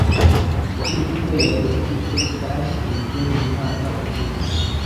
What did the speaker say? ry imitwe ya politiki ryashinzwe mu mwaka ushize